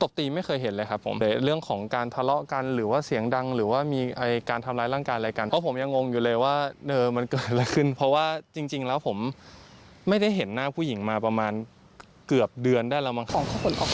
ไม่เคยเห็นเลยครับผมเลยเรื่องของการทะเลาะกันหรือว่าเสียงดังหรือว่ามีการทำร้ายร่างกายอะไรกันเพราะผมยังงงอยู่เลยว่ามันเกิดอะไรขึ้นเพราะว่าจริงแล้วผมไม่ได้เห็นหน้าผู้หญิงมาประมาณเกือบเดือนได้แล้วมั้งครับ